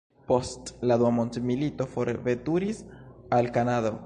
Post la dua mondmilito forveturis al Kanado.